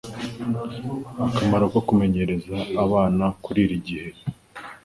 Akamaro ko kumenyereza abana kurira igihe